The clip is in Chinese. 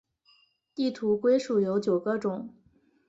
地图龟属有九个种。